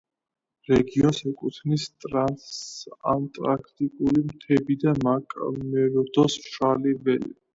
რეგიონს ეკუთვნის ტრანსანტარქტიკული მთები და მაკ-მერდოს მშრალი ველები.